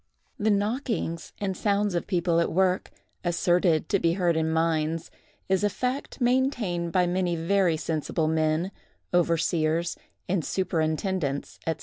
The knockings and sounds of people at work, asserted to be heard in mines, is a fact maintained by many very sensible men, overseers, and superintendents, &c.